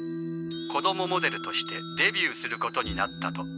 子供モデルとしてデビューすることになったと。